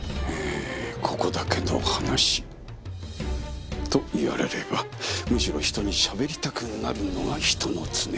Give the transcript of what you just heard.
ここだけの話と言われればむしろ人にしゃべりたくなるのが人の常。